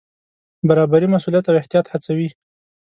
برابري مسوولیت او احتیاط هڅوي.